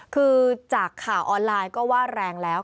คือจากข่าวออนไลน์ก็ว่าแรงแล้ว